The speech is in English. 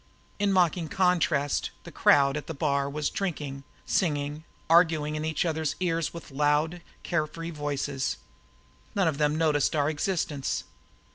In mocking contrast the crowd at the bar were drinking, singing, arguing in each other's ears with loud, care free voices. None of them noticed our existence.